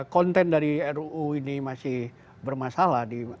konten dari ruu ini masih bermasalah